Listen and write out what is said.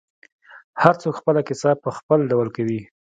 هر څوک خپله کیسه په خپل ډول کوي.